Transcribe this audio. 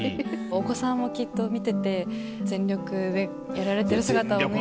お子さんもきっと見てて全力でやられてる姿を見て。